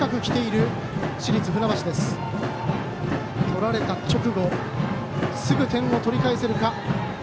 取られた直後すぐ点を取り返せるか。